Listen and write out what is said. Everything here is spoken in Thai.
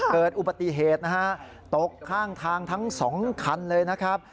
เกิดอุบัติเหตุนะฮะตกข้างทางทั้งสองคันเลยนะครับ